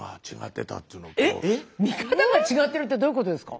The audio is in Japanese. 見方が違ってるってどういうことですか？